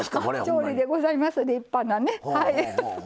調理でございます、立派な。